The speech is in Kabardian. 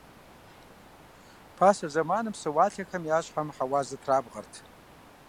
Пасэ зэманым псэуалъэхэм я щхьэм хьэуазэ трабгъэрт.